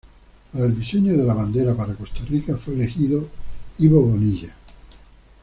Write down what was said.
Para el diseño de la bandera para Costa Rica fue elegido Ibo Bonilla.